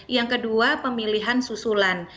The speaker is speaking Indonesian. yang kedua pemilihan susulan